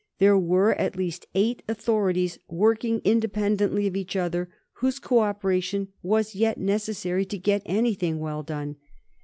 There were at least eight authorities, working independently of each other, whose co operation was yet necessary to get anything well done.